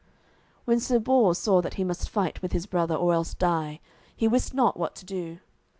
When Sir Bors saw that he must fight with his brother or else die, he wist not what to do.